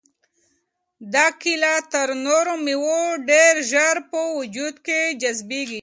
دا کیله تر نورو مېوو ډېر ژر په وجود کې جذبیږي.